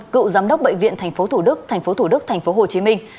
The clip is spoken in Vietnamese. cựu giám đốc bệ viện tp thủ đức tp thủ đức tp hồ chí minh